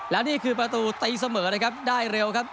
และนี่คือประตูตีเสมอนะครับได้เร็วครับ